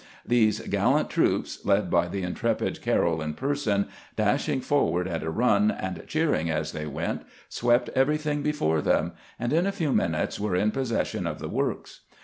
These gallant troops, led by the intrepid Carroll in person, dashing forward at a run, and cheering as they went, swept everything before them, and in a few minutes were in possession of the works.